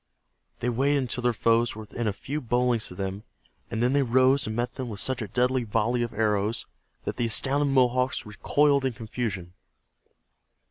They waited until their foes were within a few bow lengths of them, and then they rose and met them with such a deadly volley of arrows that the astounded Mohawks recoiled in confusion.